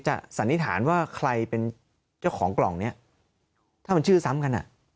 สันนิษฐานว่าใครเป็นเจ้าของกล่องนี้ถ้ามันชื่อซ้ำกันอ่ะ